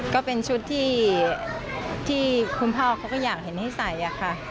ก็เป็นชุดที่คุณพ่อเขาก็อยากเห็นให้ใส่ค่ะ